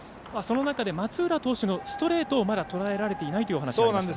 松浦投手のストレートをまだとらえられていないというお話がありました。